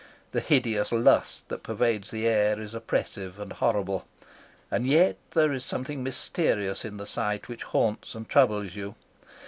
The hideous lust that pervades the air is oppressive and horrible, and yet there is something mysterious in the sight which haunts and troubles you.